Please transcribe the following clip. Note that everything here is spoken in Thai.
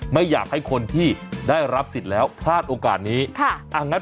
ไม่อยากให้คนที่ได้รับศิษย์แล้วพลาดโอกาสที่นี้